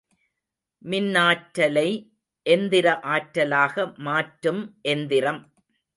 மின்னாற்றலை எந்திர ஆற்றலாக மாற்றும் எந்திரம்.